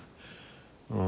うん。